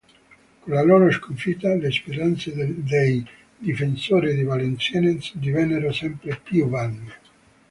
Con la loro sconfitta le speranze dei difensori di Valenciennes divennero sempre più vane.